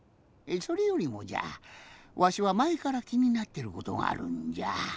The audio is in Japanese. それよりもじゃわしはまえからきになってることがあるんじゃ。